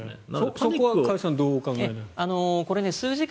そこは加谷さんどうお考えですか？